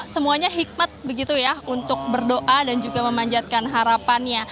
semuanya hikmat begitu ya untuk berdoa dan juga memanjatkan harapannya